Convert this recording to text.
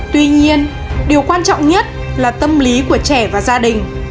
tuy nhiên điều quan trọng nhất là tâm lý của trẻ và gia đình